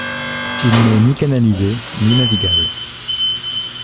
Il n'est ni canalisé ni navigable.